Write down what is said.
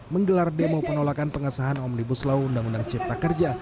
menggelar demo penolakan pengesahan omnibus law undang undang cipta kerja